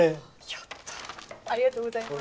やったありがとうございます。